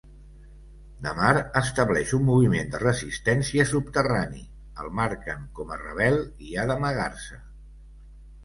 Damar estableix un moviment de resistència subterrani, el marquen com a rebel i ha d'amagar-se.